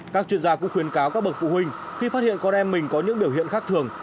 các chuyên gia cũng khuyến cáo các bậc phụ huynh khi phát hiện con em mình có những biểu hiện khác thường